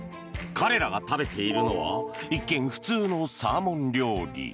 彼らが食べているのは一見普通のサーモン料理。